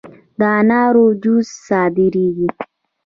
د انارو جوس صادریږي؟